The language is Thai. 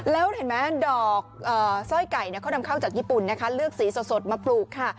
แล้วเห็นไหมดอกสร้อยไก่เขานำเข้าจากญี่ปุ่นนะคะเลือกสีสดมาปลูกค่ะ